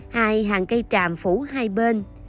hai hàng cây tràm phủ hai bên